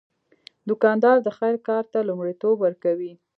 دوکاندار د خیر کار ته لومړیتوب ورکوي.